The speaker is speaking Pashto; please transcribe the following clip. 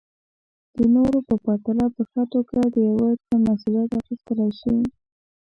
د نورو په پرتله په ښه توګه د يو څه مسوليت اخيستلی شي.